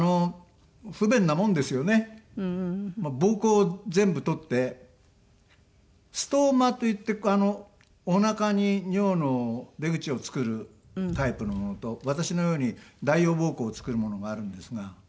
膀胱を全部取ってストーマといっておなかに尿の出口を作るタイプのものと私のように代用膀胱を作るものがあるんですが。